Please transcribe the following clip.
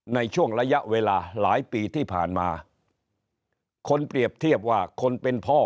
ในช่วงระยะเวลาหลายปีที่ผ่านมาคนเปรียบเทียบว่าคนเป็นพ่อ